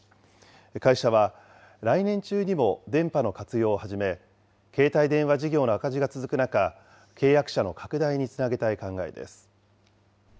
会社は来年中にも電波の活用を始め、携帯電話事業の赤字が続く中、契約者の拡大につなげたい考えです。